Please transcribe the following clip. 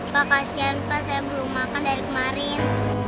pak kasian pak saya belum makan dari kemarin